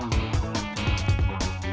tidak ada yang bisa dikunci